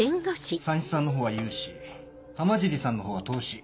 さんしさんのほうは融資浜尻さんのほうは投資。